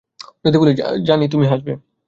যদি বলি জানি, তুমি হাসবে।